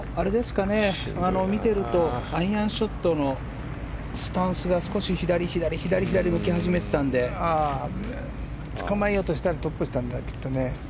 見ているとアイアンショットのスタンスが少し左、左に動き始めてたのでつかまえようとしたらトップしたんだね。